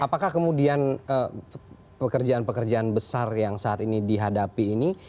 apakah kemudian pekerjaan pekerjaan besar yang saat ini dihadapi ini